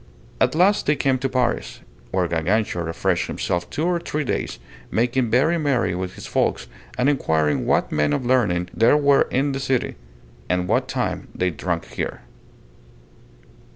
At last they came to Paris, where Gargantua refreshed himself two or three days, making very merry with his folks, and inquiring what men of learning there were then in the city, and what wine they drunk there.